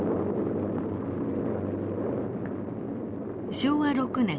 昭和６年。